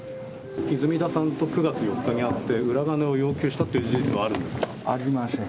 泉田さんと９月４日に会って裏金を要求したっていう事実はあありません。